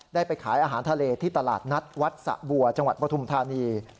ได้ไปขายอาหารทะเลที่ตลาดนัดวัดสะบัวจังหวัดปฐุมธานี